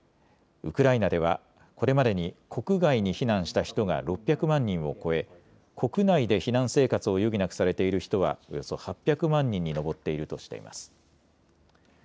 ウクライナではこれまでに国外に避難した人が６００万人を超え、国内で避難生活を余儀なくされている人はおよそ８００万人に上っているとしています。